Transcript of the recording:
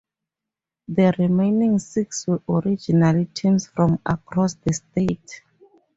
The remaining six were regional teams from across the state.